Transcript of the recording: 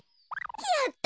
やった！